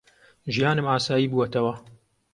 ژیانم ئاسایی بووەتەوە.